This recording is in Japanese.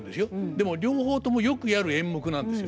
でも両方ともよくやる演目なんですよね。